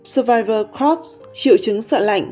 survivor crofts triệu chứng sợ lạnh